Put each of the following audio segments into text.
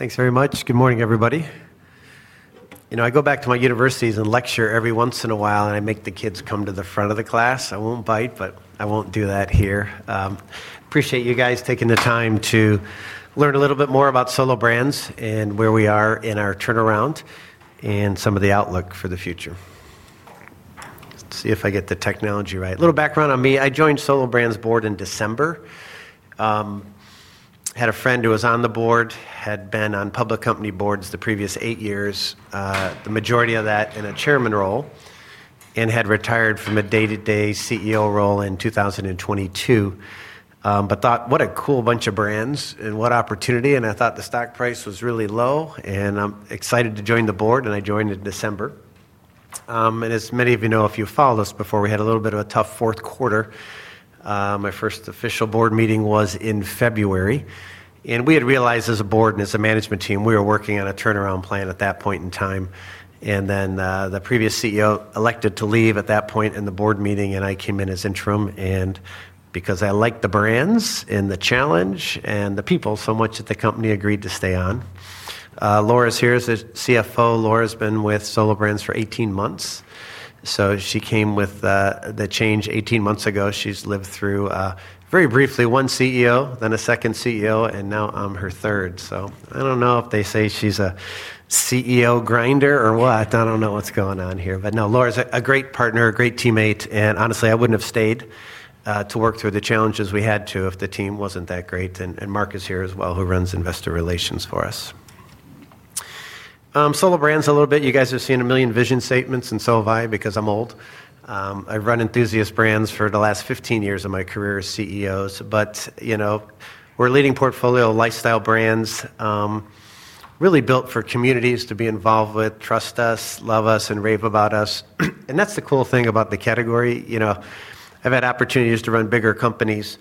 Thanks very much. Good morning, everybody. I go back to my universities and lecture every once in a while, and I make the kids come to the front of the class. I won't bite, but I won't do that here. Appreciate you guys taking the time to learn a little bit more about Solo Brands and where we are in our turnaround and some of the outlook for the future. Let's see if I get the technology right. A little background on me. I joined Solo Brands board in December. I had a friend who was on the board, had been on public company boards the previous eight years, the majority of that in a Chairman role, and had retired from a day-to-day CEO role in 2022. I thought, what a cool bunch of brands and what opportunity. I thought the stock price was really low. I'm excited to join the board, and I joined in December. As many of you know, if you followed us before, we had a little bit of a tough fourth quarter. My first official board meeting was in February. We had realized as a board and as a management team, we were working on a turnaround plan at that point in time. The previous CEO elected to leave at that point in the board meeting, and I came in as interim. Because I liked the brands and the challenge and the people so much, the company, agreed to stay on. Laura's here as CFO. Laura's been with Solo Brands for 18 months. She came with the change 18 months ago. She's lived through very briefly one CEO, then a second CEO, and now I'm her third. I don't know if they say she's a CEO grinder or what. I don't know what's going on here. Laura's a great partner, a great teammate. Honestly, I wouldn't have stayed to work through the challenges we had to if the team wasn't that great. Mark is here as well, who runs investor relations for us. Solo Brands, a little bit, you guys have seen a million vision statements and so have I because I'm old. I've run enthusiast brands for the last 15 years of my career as CEO, but we're a leading portfolio lifestyle brands, really built for communities to be involved with, trust us, love us, and rave about us. That's the cool thing about the category. I've had opportunities to run bigger companies.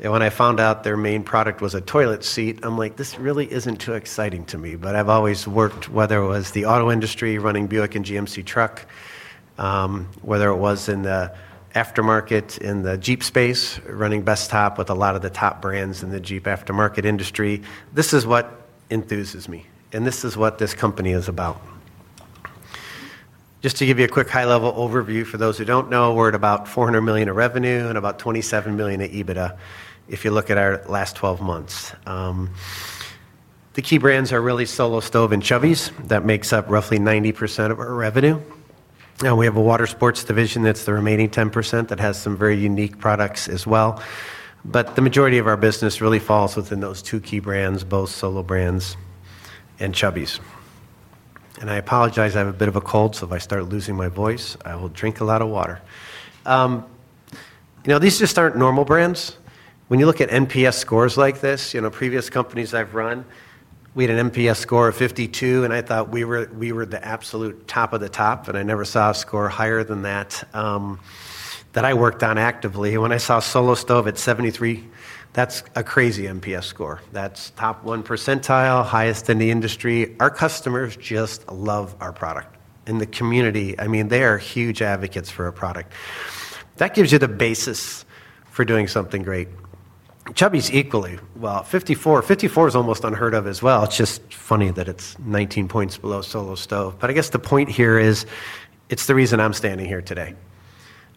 When I found out their main product was a toilet seat, I'm like, this really isn't too exciting to me. I've always worked, whether it was the auto industry, running Buick and GMC truck, whether it was in the aftermarket in the Jeep space, running Bestop with a lot of the top brands in the Jeep aftermarket industry. This is what enthuses me. This is what this company is about. Just to give you a quick high-level overview for those who don't know, we're at about $400 million in revenue and about $27 million in EBITDA if you look at our last 12 months. The key brands are really Solo Stove and Chubbies. That makes up roughly 90% of our revenue. Now we have a water sports division that's the remaining 10% that has some very unique products as well. The majority of our business really falls within those two key brands, both Solo Brands and Chubbies. I apologize, I have a bit of a cold, so if I start losing my voice, I will drink a lot of water. These just aren't normal brands. When you look at NPS scores like this, previous companies I've run, we had an NPS score of 52, and I thought we were the absolute top of the top. I never saw a score higher than that that I worked on actively. When I saw Solo Stove at 73, that's a crazy NPS score. That's top one percentile, highest in the industry. Our customers just love our product. The community, I mean, they are huge advocates for our product. That gives you the basis for doing something great. Chubbies equally. 54, 54 is almost unheard of as well. It's just funny that it's 19 points below Solo Stove. I guess the point here is it's the reason I'm standing here today.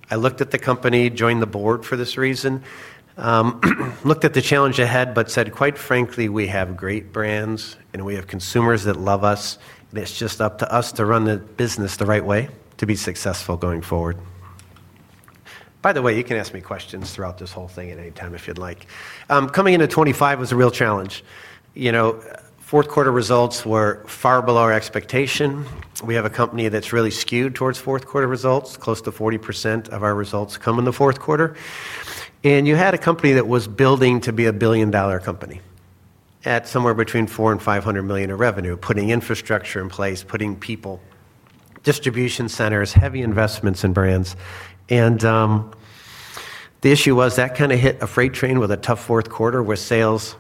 I looked at the company, joined the board for this reason, looked at the challenge ahead, but said, quite frankly, we have great brands and we have consumers that love us. It's just up to us to run the business the right way to be successful going forward. By the way, you can ask me questions throughout this whole thing at any time if you'd like. Coming into 2025 was a real challenge. Fourth quarter results were far below our expectation. We have a company that's really skewed towards fourth quarter results. Close to 40% of our results come in the fourth quarter. You had a company that was building to be a billion-dollar company at somewhere between $400 million-$500 million in revenue, putting infrastructure in place, putting people, distribution centers, heavy investments in brands. The issue was that we kind of hit a freight train with a tough fourth quarter with sales,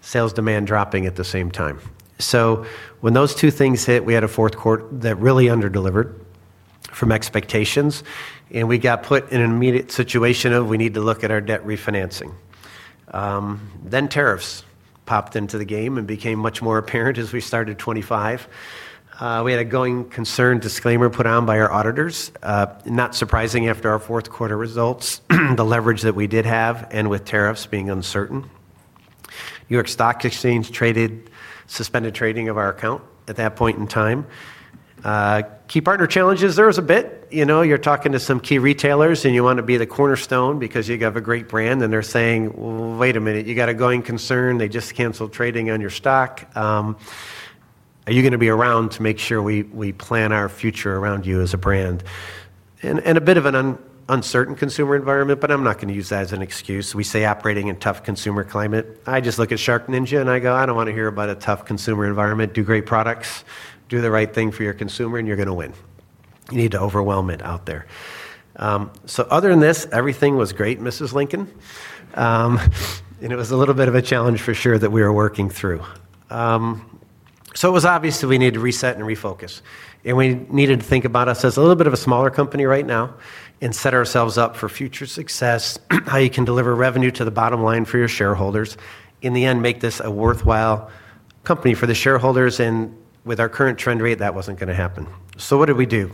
sales demand dropping at the same time. When those two things hit, we had a fourth quarter that really under-delivered from expectations. We got put in an immediate situation of needing to look at our debt refinancing. Then tariffs popped into the game and became much more apparent as we started 2025. We had a going concern disclaimer put on by our auditors, not surprising after our fourth quarter results, the leverage that we did have, and with tariffs being uncertain. New York Stock Exchange suspended trading of our account at that point in time. Key partner challenges, there was a bit, you know, you're talking to some key retailers and you want to be the cornerstone because you have a great brand and they're saying, wait a minute, you got a going concern, they just canceled trading on your stock. Are you going to be around to make sure we plan our future around you as a brand? A bit of an uncertain consumer environment, but I'm not going to use that as an excuse. We say operating in a tough consumer climate. I just look at SharkNinja and I go, I don't want to hear about a tough consumer environment. Do great products, do the right thing for your consumer, and you're going to win. You need to overwhelm it out there. Other than this, everything was great, Mrs. Lincoln. It was a little bit of a challenge for sure that we were working through. It was obvious that we needed to reset and refocus. We needed to think about us as a little bit of a smaller company right now and set ourselves up for future success, how you can deliver revenue to the bottom line for your shareholders, in the end, make this a worthwhile company for the shareholders. With our current trend rate, that wasn't going to happen. What did we do?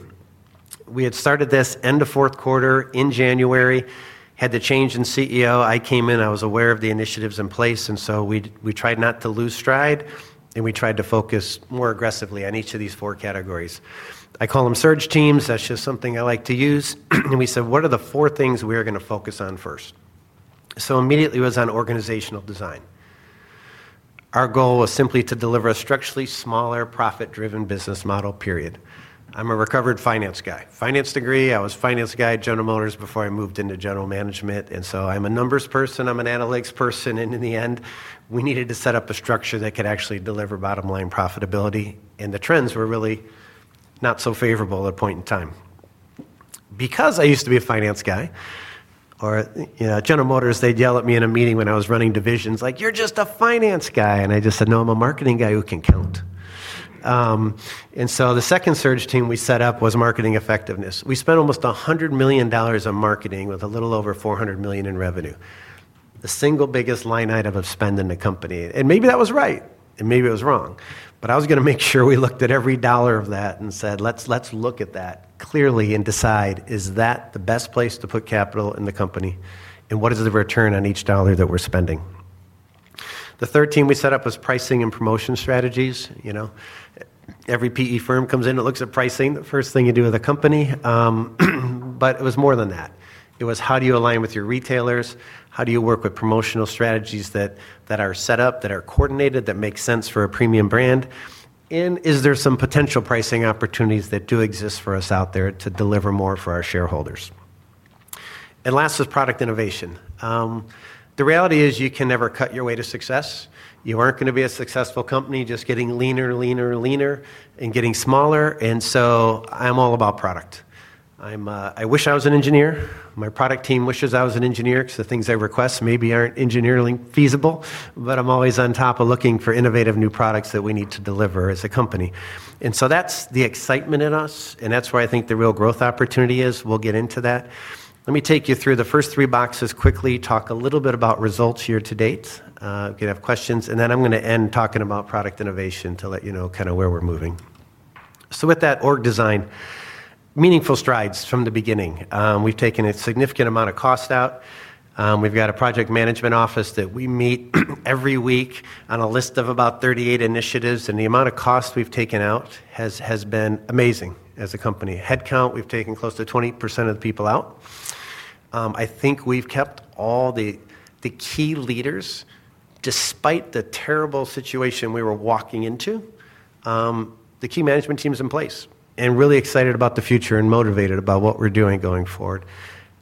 We had started this end of fourth quarter in January, had the change in CEO. I came in, I was aware of the initiatives in place. We tried not to lose stride and we tried to focus more aggressively on each of these four categories. I call them surge teams. That's just something I like to use. We said, what are the four things we are going to focus on first? Immediately it was on organizational design. Our goal was simply to deliver a structurally smaller profit-driven business model, period. I'm a recovered finance guy. Finance degree, I was a finance guy at General Motors before I moved into general management. I'm a numbers person, I'm an analytics person. In the end, we needed to set up a structure that could actually deliver bottom line profitability. The trends were really not so favorable at a point in time. I used to be a finance guy, or at General Motors, they'd yell at me in a meeting when I was running divisions, like, you're just a finance guy. I just said, no, I'm a marketing guy who can count. The second surge team we set up was marketing effectiveness. We spent almost $100 million on marketing with a little over $400 million in revenue. The single biggest line item of spend in the company. Maybe that was right. Maybe it was wrong. I was going to make sure we looked at every dollar of that and said, let's look at that clearly and decide, is that the best place to put capital in the company? What is the return on each dollar that we're spending? The third team we set up was pricing and promotion strategies. Every PE firm comes in and looks at pricing, the first thing you do with a company. It was more than that. It was how do you align with your retailers? How do you work with promotional strategies that are set up, that are coordinated, that make sense for a premium brand? Is there some potential pricing opportunities that do exist for us out there to deliver more for our shareholders? Last was product innovation. The reality is you can never cut your way to success. You aren't going to be a successful company just getting leaner, leaner, leaner and getting smaller. I'm all about product. I wish I was an engineer. My product team wishes I was an engineer because the things I request maybe aren't engineering feasible. I'm always on top of looking for innovative new products that we need to deliver as a company. That's the excitement in us. That's where I think the real growth opportunity is. We'll get into that. Let me take you through the first three boxes quickly, talk a little bit about results year to date. If you have questions, I'm going to end talking about product innovation to let you know kind of where we're moving. With that org design, meaningful strides from the beginning. We've taken a significant amount of cost out. We've got a project management office that we meet every week on a list of about 38 initiatives. The amount of cost we've taken out has been amazing as a company. Headcount, we've taken close to 20% of the people out. I think we've kept all the key leaders, despite the terrible situation we were walking into, the key management teams in place and really excited about the future and motivated about what we're doing going forward.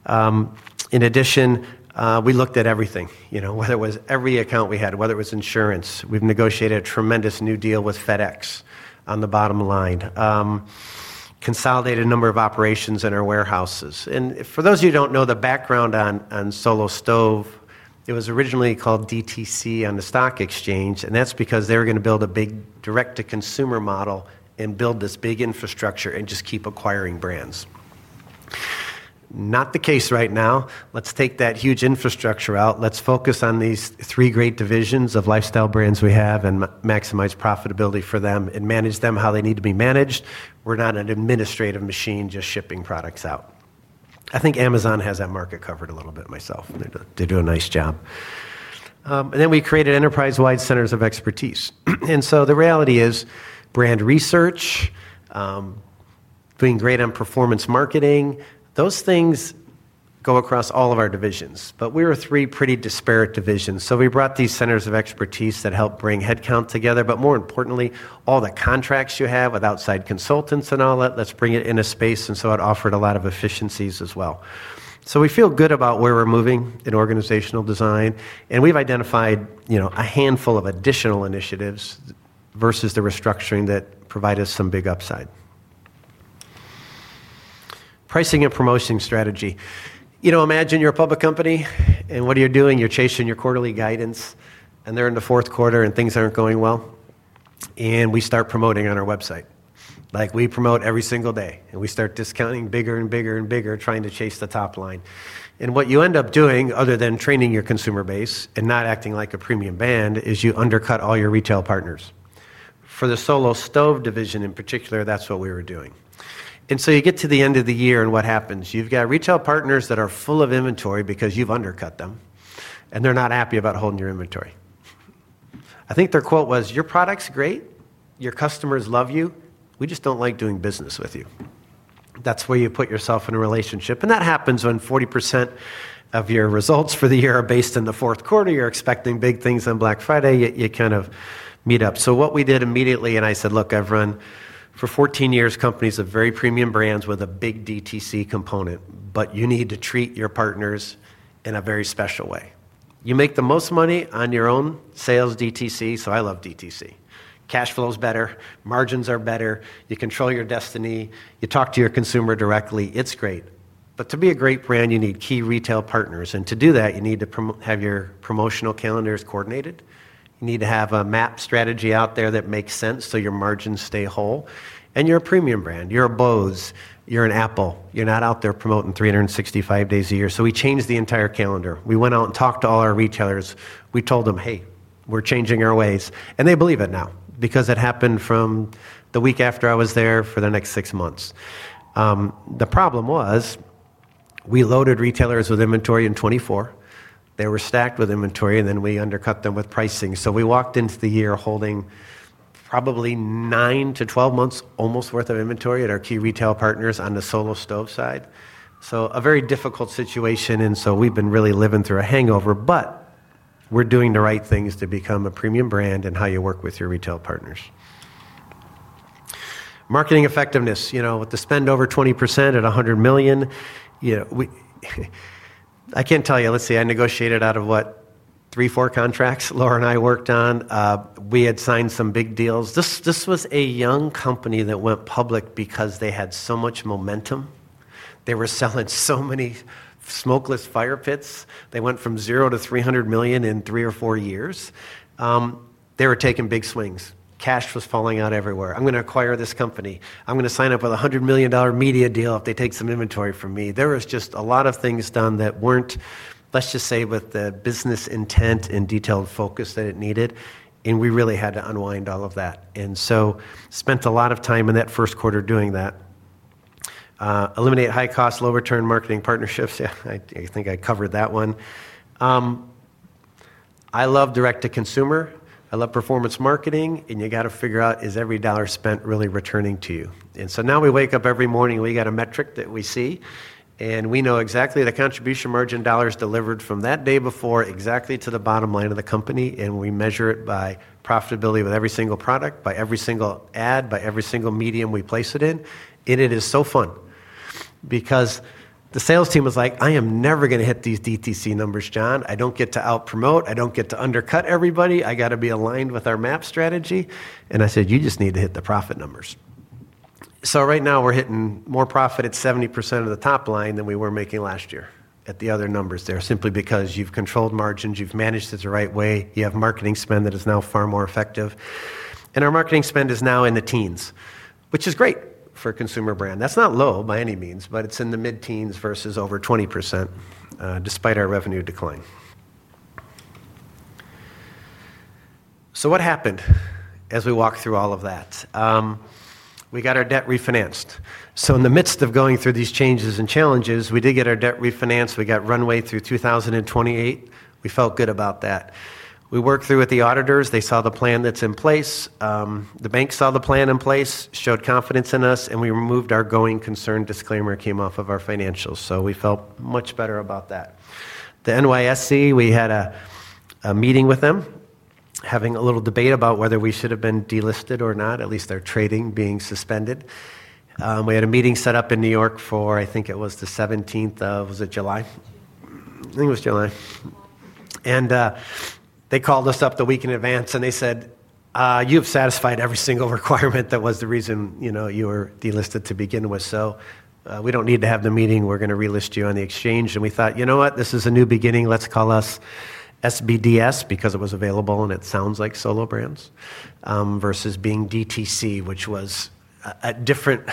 In addition, we looked at everything, whether it was every account we had, whether it was insurance. We've negotiated a tremendous new deal with FedEx on the bottom line, consolidated a number of operations in our warehouses. For those of you who don't know the background on Solo Stove, it was originally called DTC on the stock exchange. That's because they were going to build a big direct-to-consumer model and build this big infrastructure and just keep acquiring brands. Not the case right now. Let's take that huge infrastructure out. Let's focus on these three great divisions of lifestyle brands we have and maximize profitability for them and manage them how they need to be managed. We're not an administrative machine just shipping products out. I think Amazon has that market covered a little bit myself. They do a nice job. We created enterprise-wide centers of expertise. The reality is brand research, doing great on performance marketing, those things go across all of our divisions. We were three pretty disparate divisions. We brought these centers of expertise that help bring headcount together. More importantly, all the contracts you have with outside consultants and all that, let's bring it in a space. It offered a lot of efficiencies as well. We feel good about where we're moving in organizational design. We've identified a handful of additional initiatives versus the restructuring that provide us some big upside. Pricing and promotion strategy. Imagine you're a public company and what you're doing, you're chasing your quarterly guidance and they're in the fourth quarter and things aren't going well. We start promoting on our website, like we promote every single day and we start discounting bigger and bigger and bigger, trying to chase the top line. What you end up doing, other than training your consumer base and not acting like a premium brand, is you undercut all your retail partners. For the Solo Stove division in particular, that's what we were doing. You get to the end of the year and what happens? You've got retail partners that are full of inventory because you've undercut them and they're not happy about holding your inventory. I think their quote was, "Your product's great, your customers love you, we just don't like doing business with you." That's where you put yourself in a relationship. That happens when 40% of your results for the year are based in the fourth quarter. You're expecting big things on Black Friday, yet you kind of meet up. What we did immediately, I said, "Look, I've run for 14 years companies of very premium brands with a big DTC component, but you need to treat your partners in a very special way. You make the most money on your own sales DTC, so I love DTC. Cash flow is better, margins are better, you control your destiny, you talk to your consumer directly, it's great. To be a great brand, you need key retail partners. To do that, you need to have your promotional calendars coordinated. You need to have a map strategy out there that makes sense so your margins stay whole. You're a premium brand, you're a Bose, you're an Apple. You're not out there promoting 365 days a year." We changed the entire calendar. We went out and talked to all our retailers. We told them, "Hey, we're changing our ways." They believe it now because it happened from the week after I was there for the next six months. The problem was we loaded retailers with inventory in 2024. They were stacked with inventory and then we undercut them with pricing. We walked into the year holding probably 9 months-12 months almost worth of inventory at our key retail partners on the Solo Stove side. A very difficult situation. We've been really living through a hangover, but we're doing the right things to become a premium brand and how you work with your retail partners. Marketing effectiveness, with the spend over 20% at $100 million, I can't tell you, let's see, I negotiated out of what, three, four contracts Laura and I worked on. We had signed some big deals. This was a young company that went public because they had so much momentum. They were selling so many smokeless fire pits. They went from zero to $300 million in three or four years. They were taking big swings. Cash was falling out everywhere. I'm going to acquire this company. I'm going to sign up with a $100 million media deal if they take some inventory from me. There was just a lot of things done that weren't, let's just say, with the business intent and detailed focus that it needed. We really had to unwind all of that. I spent a lot of time in that first quarter doing that. Eliminate high cost, low return marketing partnerships. I think I covered that one. I love direct to consumer. I love performance marketing. You got to figure out, is every dollar spent really returning to you? Now we wake up every morning, we got a metric that we see. We know exactly the contribution margin dollars delivered from that day before exactly to the bottom line of the company. We measure it by profitability with every single product, by every single ad, by every single medium we place it in. It is so fun because the sales team was like, "I am never going to hit these DTC numbers, John. I don't get to out promote. I don't get to undercut everybody. I got to be aligned with our map strategy." I said, "You just need to hit the profit numbers." Right now we're hitting more profit at 70% of the top line than we were making last year at the other numbers there simply because you've controlled margins, you've managed it the right way, you have marketing spend that is now far more effective. Our marketing spend is now in the teens, which is great for a consumer brand. That's not low by any means, but it's in the mid-teens versus over 20% despite our revenue decline. What happened as we walked through all of that? We got our debt refinanced. In the midst of going through these changes and challenges, we did get our debt refinanced. We got runway through 2028. We felt good about that. We worked through it with the auditors. They saw the plan that's in place. The bank saw the plan in place, showed confidence in us, and we removed our going concern disclaimer that came off of our financials. We felt much better about that. The NYSE, we had a meeting with them, having a little debate about whether we should have been delisted or not, at least our trading being suspended. We had a meeting set up in New York for, I think it was the 17th of July. I think it was July. They called us up the week in advance and they said, "You've satisfied every single requirement that was the reason you were delisted to begin with. We don't need to have the meeting. We're going to relist you on the exchange." We thought, you know what, this is a new beginning. Let's call us SBDS because it was available and it sounds like Solo Brands versus being DTC, which was a different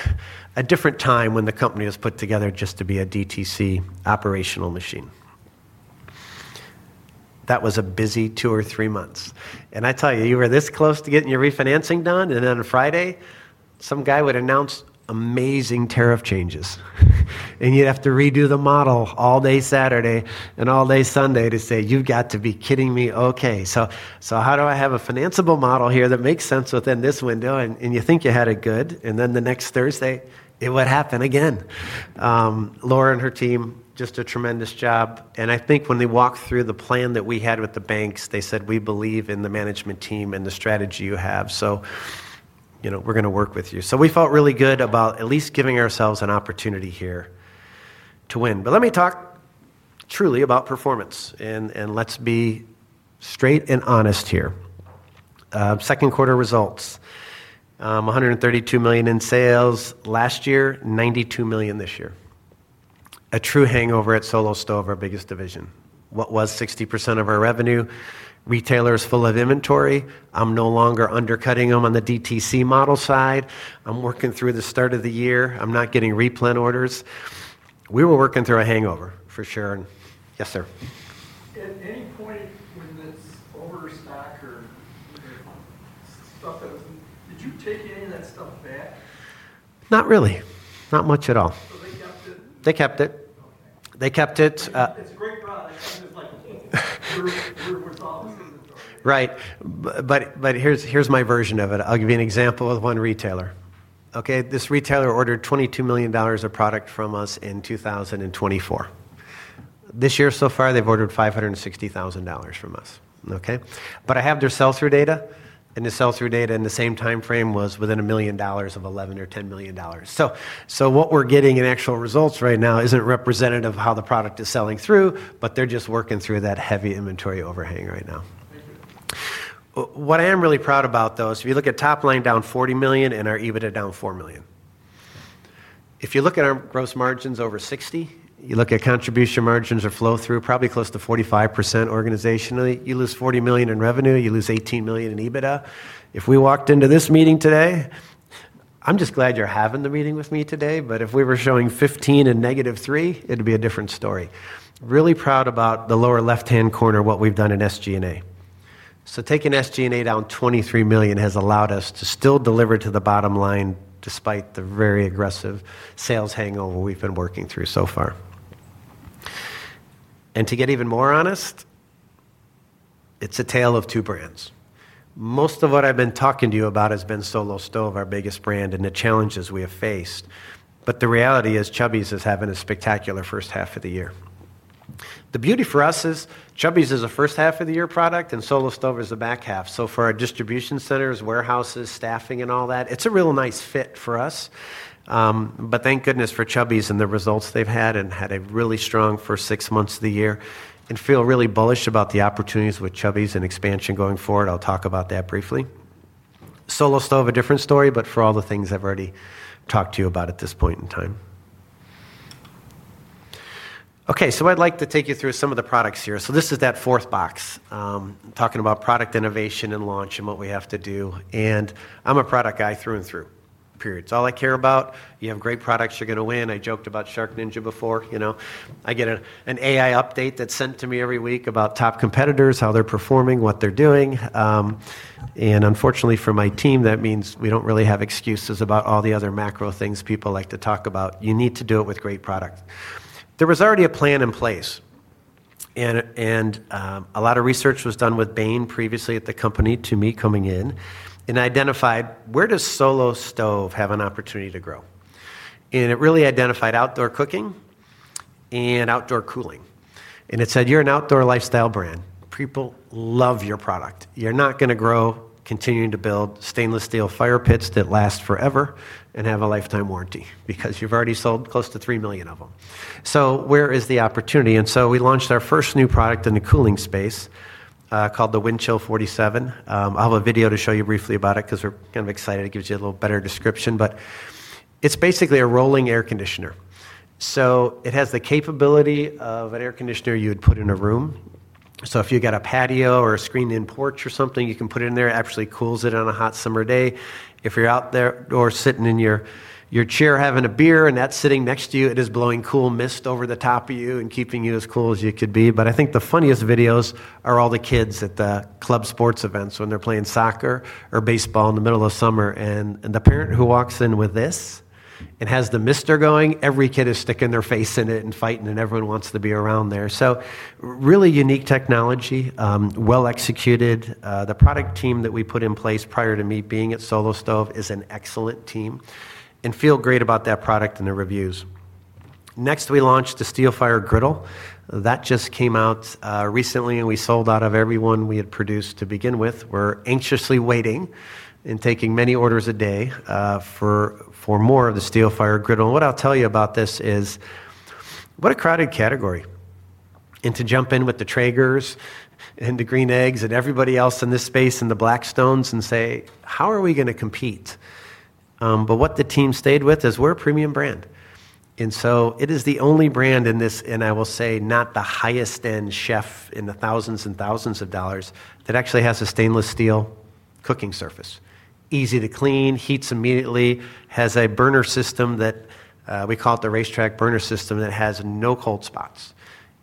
time when the company was put together just to be a DTC operational machine. That was a busy two or three months. I tell you, you were this close to getting your refinancing done, and then on Friday, some guy would announce amazing tariff changes. You'd have to redo the model all day Saturday and all day Sunday to say, "You got to be kidding me. Okay, so how do I have a financeable model here that makes sense within this window?" You think you had it good, and then the next Thursday, it would happen again. Laura and her team did just a tremendous job. I think when they walked through the plan that we had with the banks, they said, "We believe in the management team and the strategy you have. You know, we're going to work with you." We felt really good about at least giving ourselves an opportunity here to win. Let me talk truly about performance. Let's be straight and honest here. Second quarter results, $132 million in sales last year, $92 million this year. A true hangover at Solo Stove, our biggest division. What was 60% of our revenue? Retailers full of inventory. I'm no longer undercutting them on the DTC model side. I'm working through the start of the year. I'm not getting replan orders. We were working through a hangover for sure. Yes, sir. When that's overstock or did you take any of that stuff back? Not really. Not much at all. They kept it. They kept it. Right. Here's my version of it. I'll give you an example of one retailer. This retailer ordered $22 million of product from us in 2024. This year so far, they've ordered $560,000 from us. I have their sales through data. The sales through data in the same timeframe was within $1 million of $11 million or $10 million. What we're getting in actual results right now isn't representative of how the product is selling through, but they're just working through that heavy inventory overhang right now. What I am really proud about, though, is if you look at top line down $40 million and our EBITDA down $4 million. If you look at our gross margins over 60%, you look at contribution margins or flow through, probably close to 45% organizationally, you lose $40 million in revenue, you lose $18 million in EBITDA. If we walked into this meeting today, I'm just glad you're having the meeting with me today, but if we were showing $15 million and -$3 million, it'd be a different story. Really proud about the lower left-hand corner, what we've done in SG&A. Taking SG&A down $23 million has allowed us to still deliver to the bottom line despite the very aggressive sales hangover we've been working through so far. To get even more honest, it's a tale of two brands. Most of what I've been talking to you about has been Solo Stove, our biggest brand, and the challenges we have faced. The reality is Chubbies is having a spectacular first half of the year. The beauty for us is Chubbies is a first half of the year product and Solo Stove is a back half. For our distribution centers, warehouses, staffing, and all that, it's a real nice fit for us. Thank goodness for Chubbies and the results they've had and had a really strong first six months of the year and feel really bullish about the opportunities with Chubbies and expansion going forward. I'll talk about that briefly. Solo Stove, a different story, for all the things I've already talked to you about at this point in time. I'd like to take you through some of the products here. This is that fourth box, talking about product innovation and launch and what we have to do. I'm a product guy through and through. Period. It's all I care about. You have great products, you're going to win. I joked about SharkNinja before. You know, I get an AI update that's sent to me every week about top competitors, how they're performing, what they're doing. Unfortunately for my team, that means we don't really have excuses about all the other macro things people like to talk about. You need to do it with great products. There was already a plan in place. A lot of research was done with Bain previously at the company to me coming in and identified where does Solo Stove have an opportunity to grow. It really identified outdoor cooking and outdoor cooling. It said, you're an outdoor lifestyle brand. People love your product. You're not going to grow, continue to build stainless steel fire pits that last forever and have a lifetime warranty because you've already sold close to 3 million of them. Where is the opportunity? We launched our first new product in the cooling space called the Windchill 47. I'll have a video to show you briefly about it because we're kind of excited. It gives you a little better description. It's basically a rolling air conditioner. It has the capability of an air conditioner you'd put in a room. If you've got a patio or a screened-in porch or something, you can put it in there. It actually cools it on a hot summer day. If you're out there or sitting in your chair having a beer and that's sitting next to you, it is blowing cool mist over the top of you and keeping you as cool as you could be. I think the funniest videos are all the kids at the club sports events when they're playing soccer or baseball in the middle of summer. The parent who walks in with this and has the mister going, every kid is sticking their face in it and fighting and everyone wants to be around there. Really unique technology, well executed. The product team that we put in place prior to me being at Solo Stove is an excellent team and feel great about that product and the reviews. Next, we launched the Steelfire griddle. That just came out recently and we sold out of everyone we had produced to begin with. We're anxiously waiting and taking many orders a day for more of the Steelfire griddle. What I'll tell you about this is what a crowded category. To jump in with the Traegers and the Green Eggs and everybody else in this space and the Blackstones and say, how are we going to compete? What the team stayed with is we're a premium brand. It is the only brand in this, and I will say not the highest end chef in the thousands and thousands of dollars, that actually has a stainless steel cooking surface. Easy to clean, heats immediately, has a burner system that we call the racetrack burner system that has no cold spots.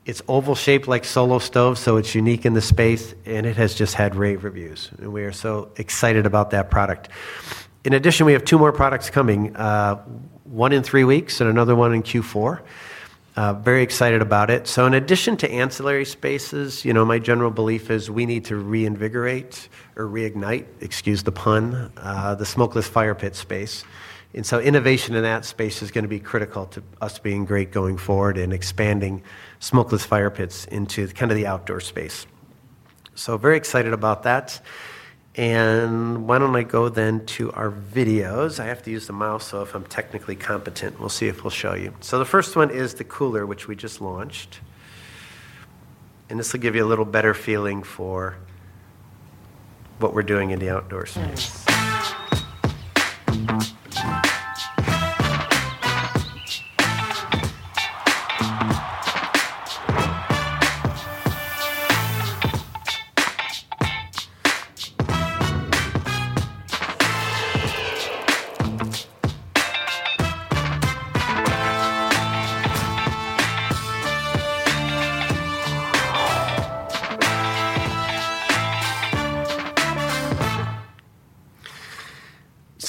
It's oval shaped like Solo Stove, so it's unique in the space and it has just had rave reviews. We are so excited about that product. In addition, we have two more products coming, one in three weeks and another one in Q4. Very excited about it. In addition to ancillary spaces, my general belief is we need to reinvigorate or reignite, excuse the pun, the smokeless fire pit space. Innovation in that space is going to be critical to us being great going forward and expanding smokeless fire pits into kind of the outdoor space. Very excited about that. Why don't I go then to our videos? I have to use the mouse so if I'm technically competent, we'll see if we'll show you. The first one is the cooler, which we just launched. This will give you a little better feeling for what we're doing in the outdoors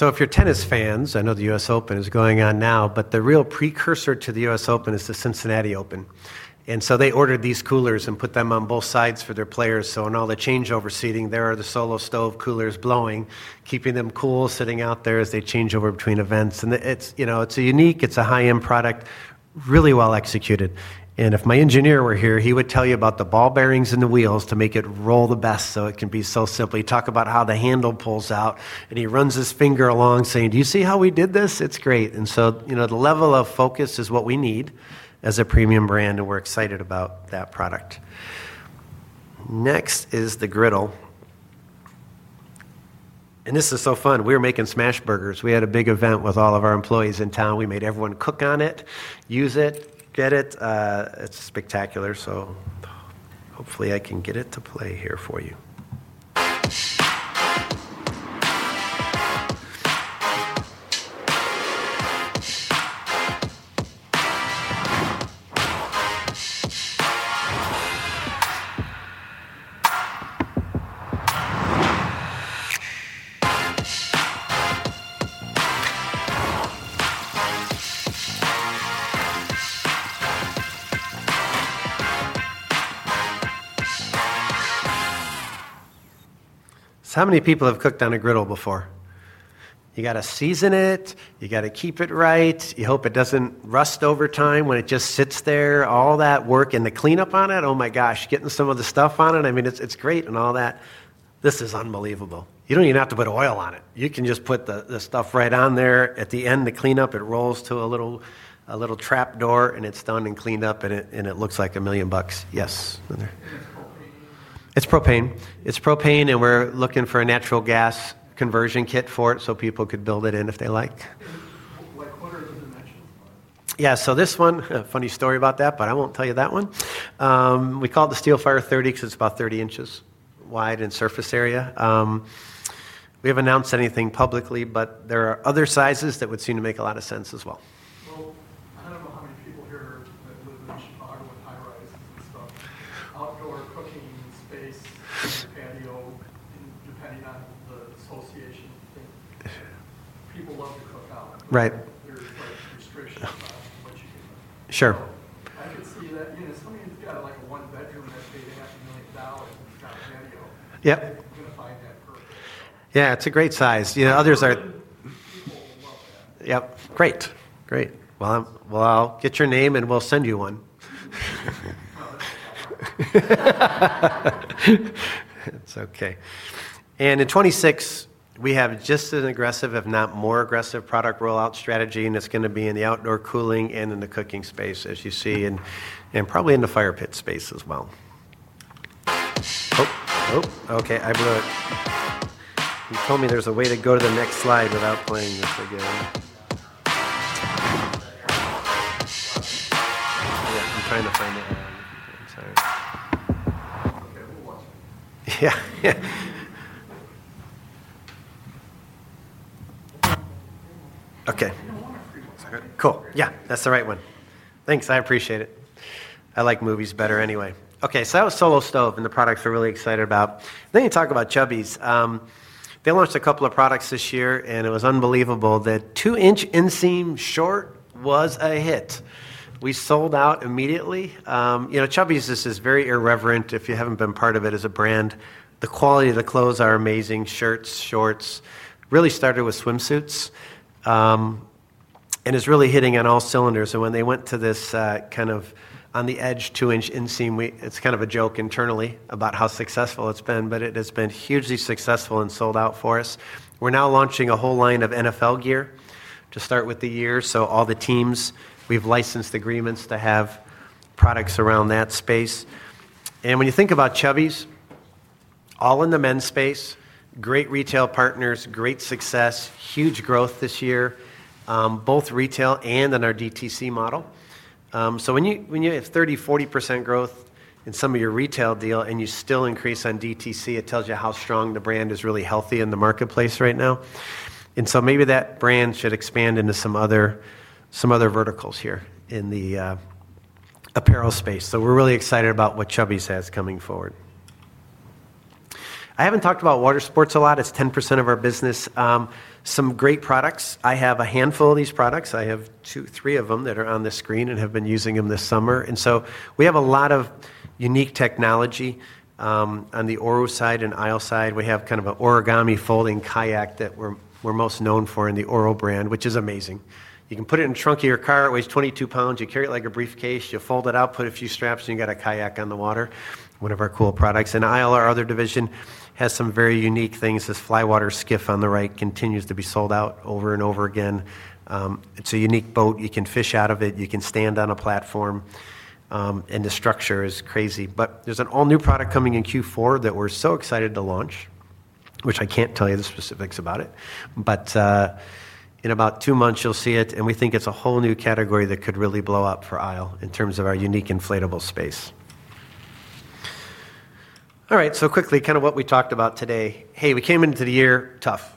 view. If you're tennis fans, I know the US Open is going on now, but the real precursor to the US Open is the Cincinnati Open. They ordered these coolers and put them on both sides for their players. In all the changeover seating, there are the Solo Stove coolers blowing, keeping them cool, sitting out there as they change over between events. It's a unique, high-end product, really well executed. If my engineer were here, he would tell you about the ball bearings and the wheels to make it roll the best so it can be so simple. He'd talk about how the handle pulls out and he runs his finger along saying, "Do you see how we did this? It's great." The level of focus is what we need as a premium brand and we're excited about that product. Next is the griddle. This is so fun. We were making smash burgers. We had a big event with all of our employees in town. We made everyone cook on it, use it, get it. It's spectacular. Hopefully I can get it to play here for you. Many people have cooked on a griddle before. You got to season it, you got to keep it right. You hope it doesn't rust over time when it just sits there. All that work and the cleanup on it. Oh my gosh, getting some of the stuff on it. I mean, it's great and all that. This is unbelievable. You don't even have to put oil on it. You can just put the stuff right on there. At the end, the cleanup, it rolls to a little trap door and it's done and cleaned up and it looks like a million bucks. Yes, it's propane. It's propane and we're looking for a natural gas conversion kit for it so people could build it in if they like. Yeah, a funny story about that, but I won't tell you that one. We called the Steelfire 30 because it's about 30 in wide in surface area. We haven't announced anything publicly, but there are other sizes that would seem to make a lot of sense as well. I don't know how many people here live in Chicago, but high rise is the stuff. Outdoor cooking space, the patio, depending on the association thing. People love to cook out. Right. Sure. I could see that. Yeah, some of these got like a one-bed? Yep. Yeah, it's a great size. You know, others are. Yep, great. Great. I'll get your name and we'll send you one. It's okay. In 2026, we have just as aggressive, if not more aggressive, product rollout strategy, and it's going to be in the outdoor cooling and in the cooking space, as you see, and probably in the fire pit space as well. Oh, okay, I've read it. You told me there's a way to go to the next slide without playing the figure. I'm trying to find it. I'll look at the entire. Yeah, yeah. Okay. Second. Cool. Yeah, that's the right one. Thanks, I appreciate it. I like movies better anyway. Okay, so that was Solo Stove and the products we're really excited about. You talk about Chubbies. They launched a couple of products this year, and it was unbelievable. That two-inch inseam short was a hit. We sold out immediately. You know, Chubbies, this is very irreverent if you haven't been part of it as a brand. The quality of the clothes are amazing. Shirts, shorts, really started with swimsuits and is really hitting on all cylinders. When they went to this kind of on the edge two-inch inseam, it's kind of a joke internally about how successful it's been, but it has been hugely successful and sold out for us. We're now launching a whole line of NFL gear to start with the year. All the teams, we've licensed agreements to have products around that space. When you think about Chubbies, all in the men's space, great retail partners, great success, huge growth this year, both retail and in our DTC model. When you have 30%-40% growth in some of your retail deal and you still increase on DTC, it tells you how strong the brand is really healthy in the marketplace right now. Maybe that brand should expand into some other verticals here in the apparel space. We're really excited about what Chubbies has coming forward. I haven't talked about water sports a lot. It's 10% of our business. Some great products. I have a handful of these products. I have two, three of them that are on the screen and have been using them this summer. We have a lot of unique technology on the Oru side and ISLE side. We have kind of an origami folding kayak that we're most known for in the Oru brand, which is amazing. You can put it in a trunk of your car. It weighs 22 lbs. You carry it like a briefcase. You fold it out, put a few straps, and you got a kayak on the water. One of our cool products. ISLE, our other division, has some very unique things. This flywater skiff on the right continues to be sold out over and over again. It's a unique boat. You can fish out of it. You can stand on a platform. The structure is crazy. There's an all-new product coming in Q4 that we're so excited to launch, which I can't tell you the specifics about it. In about two months, you'll see it. We think it's a whole new category that could really blow up for ISLE in terms of our unique inflatable space. All right, so quickly, kind of what we talked about today. Hey, we came into the year tough.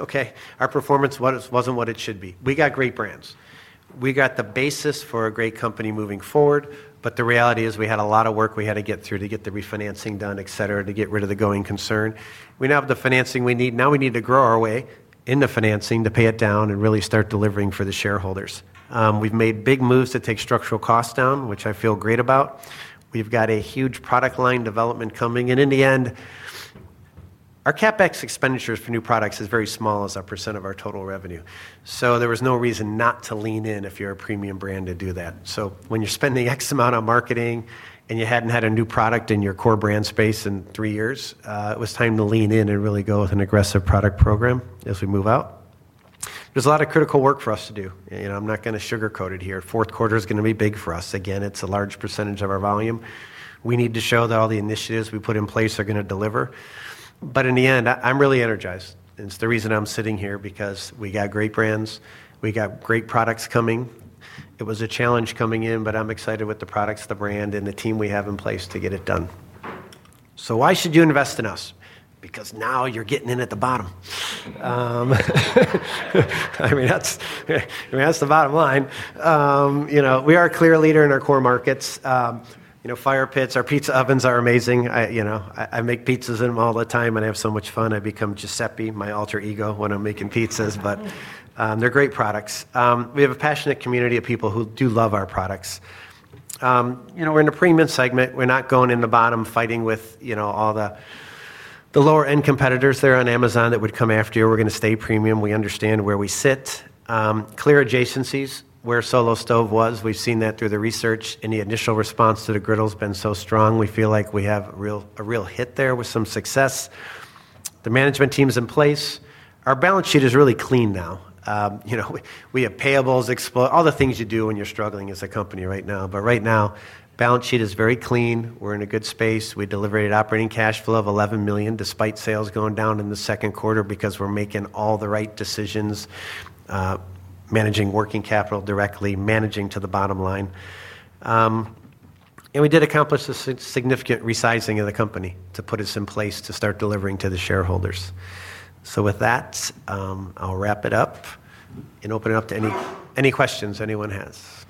Okay, our performance wasn't what it should be. We got great brands. We got the basis for a great company moving forward. The reality is we had a lot of work we had to get through to get the refinancing done, etc., to get rid of the going concern. We now have the financing we need. Now we need to grow our way in the financing to pay it down and really start delivering for the shareholders. We've made big moves to take structural costs down, which I feel great about. We've got a huge product line development coming. In the end, our CapEx expenditures for new products are very small as a percent of our total revenue. There was no reason not to lean in if you're a premium brand to do that. When you're spending X amount on marketing and you hadn't had a new product in your core brand space in three years, it was time to lean in and really go with an aggressive product program as we move out. There's a lot of critical work for us to do. I'm not going to sugarcoat it here. Fourth quarter is going to be big for us. Again, it's a large percentage of our volume. We need to show that all the initiatives we put in place are going to deliver. In the end, I'm really energized. It's the reason I'm sitting here because we got great brands. We got great products coming. It was a challenge coming in, but I'm excited with the products, the brand, and the team we have in place to get it done. Why should you invest in us? Because now you're getting in at the bottom. That's the bottom line. We are a clear leader in our core markets. Fire pits, our pizza ovens are amazing. I make pizzas in them all the time and I have so much fun. I become Giuseppe, my alter ego, when I'm making pizzas, but they're great products. We have a passionate community of people who do love our products. We're in a premium segment. We're not going in the bottom fighting with all the lower-end competitors there on Amazon that would come after you. We're going to stay premium. We understand where we sit. Clear adjacencies, where Solo Stove was. We've seen that through the research. Any initial response to the griddle has been so strong. We feel like we have a real hit there with some success. The management team's in place. Our balance sheet is really clean now. You know, we have payables, all the things you do when you're struggling as a company right now. Right now, balance sheet is very clean. We're in a good space. We delivered an operating cash flow of $11 million despite sales going down in the second quarter because we're making all the right decisions, managing working capital directly, managing to the bottom line. We did accomplish a significant resizing of the company to put us in place to start delivering to the shareholders. With that, I'll wrap it up and open it up to any questions anyone has.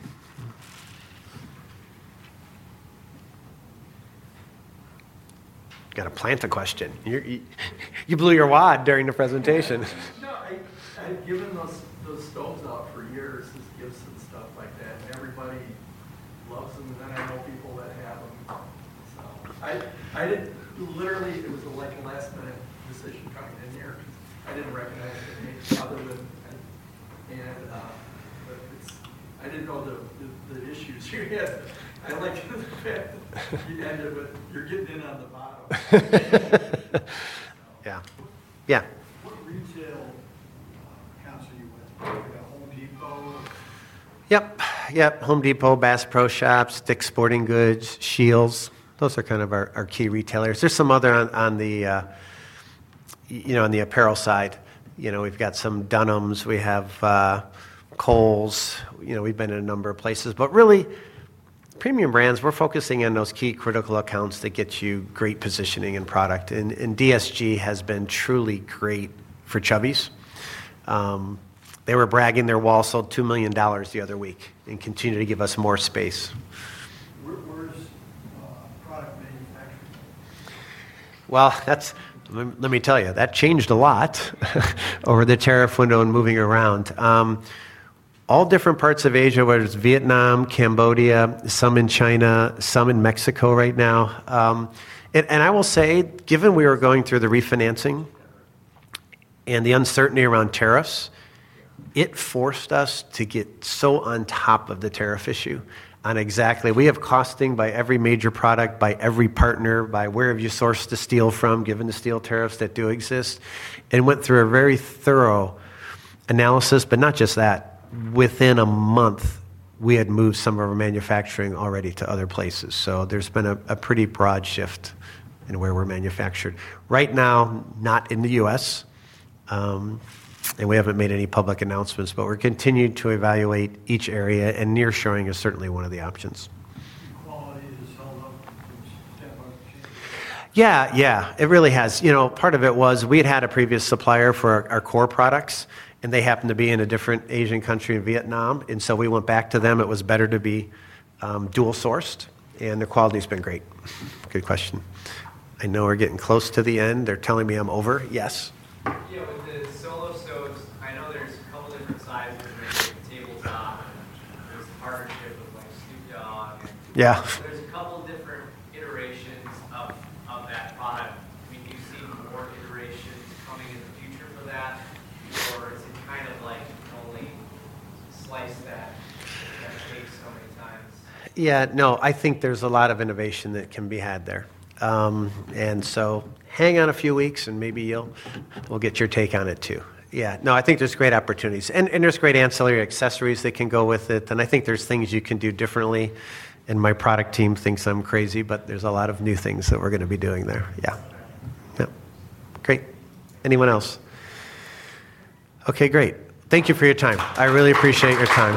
Got a plant a question. You blew your wad during the presentation. No, I had given those stoves out for years, just give some stuff like that. Everybody loves them. I know people that have them. I didn't, literally, it was like the last time he said he'd come in here. I didn't recognize it. It's probably with. I didn't know the issues you had. I'm like. You can't have the bottle. Yeah. Yeah. Yep. Yep. Home Depot, Bass Pro Shops, Dick's Sporting Goods, SCHEELS. Those are kind of our key retailers. There's some other on the, you know, on the apparel side. You know, we've got some Dunhams. We have Kohl's. You know, we've been in a number of places. Really, premium brands, we're focusing on those key critical accounts that get you great positioning and product. DSG has been truly great for Chubbies. They were bragging their wall, sold $2 million the other week and continued to give us more space. That changed a lot over the tariff window and moving around. All different parts of Asia, whether it's Vietnam, Cambodia, some in China, some in Mexico right now. I will say, given we were going through the refinancing and the uncertainty around tariffs, it forced us to get so on top of the tariff issue on exactly. We have costing by every major product, by every partner, by where have you sourced the steel from, given the steel tariffs that do exist, and went through a very thorough analysis. Not just that, within a month, we had moved some of our manufacturing already to other places. There's been a pretty broad shift in where we're manufactured. Right now, not in the U.S. We haven't made any public announcements, but we're continuing to evaluate each area, and near-shoring is certainly one of the options. Yeah, yeah, it really has. Part of it was we had had a previous supplier for our core products, and they happened to be in a different Asian country, in Vietnam. We went back to them. It was better to be dual-sourced, and the quality's been great. Good question. I know we're getting close to the end. They're telling me I'm over. Yes. You know, the Solo Stove, I know there's a couple different sizes. There's actually a tabletop. It's large. It looks like a sleepy dog. Yeah. There's a couple different iterations of that bottom. Do you see more iterations coming in the future for that, or is it kind of like you're going to slice that piece? Yeah, I think there's a lot of innovation that can be had there. Hang on a few weeks, and maybe we'll get your take on it too. I think there's great opportunities, and there's great ancillary accessories that can go with it. I think there's things you can do differently. My product team thinks I'm crazy, but there's a lot of new things that we're going to be doing there. Great. Anyone else? Okay, great. Thank you for your time. I really appreciate your time.